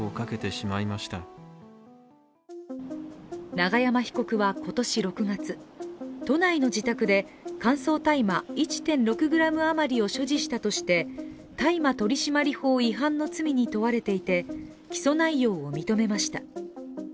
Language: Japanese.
永山被告は今年６月、都内の自宅で乾燥大麻１．６ｇあまりを所持したとして大麻取締法違反の罪に問われていて、起訴内容を認めました。